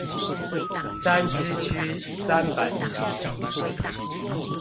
三芝區三板橋